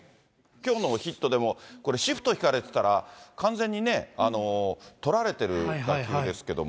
きょうのヒットでもこれ、シフト敷かれてたら、完全にとられてる打球ですけれども。